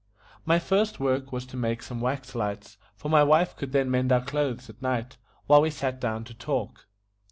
My first work was to make some wax lights, for my wife could then mend our clothes at night, while we sat down to talk.